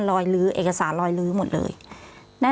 พี่เรื่องมันยังไงอะไรยังไง